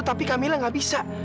tapi kamila ngak bisa